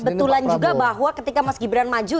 tapi kebetulan juga bahwa ketika mas gibran maju